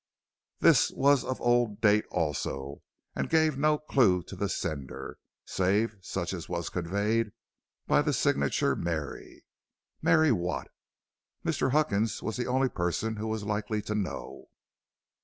This was of old date also, and gave no clue to the sender, save such as was conveyed by the signature Mary. Mary what? Mr. Huckins was the only person who was likely to know.